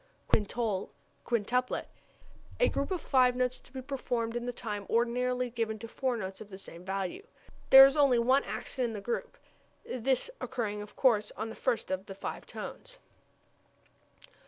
Quintole, quintuplet a group of five notes to be performed in the time ordinarily given to four notes of the same value. There is only one accent in the group, this occurring of course on the first of the five tones.